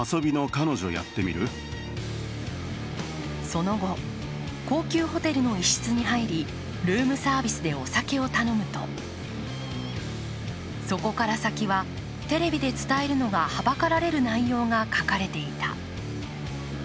その後、高級ホテルの一室に入りルームサービスでお酒を頼むとそこから先はテレビで伝えるのがはばかれる内容が書かれていた。